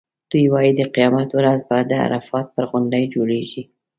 دوی وایي د قیامت ورځ به د عرفات پر غونډۍ جوړېږي.